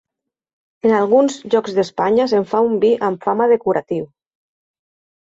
En alguns llocs d'Espanya se'n fa un vi amb fama de curatiu.